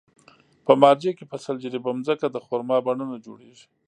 په مارجې کې په سل جریبه ځمکه د خرما پڼونه جوړېږي.